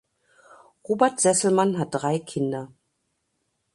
Robert Sesselmann hat drei Kinder.